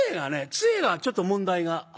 杖がちょっと問題があるんです。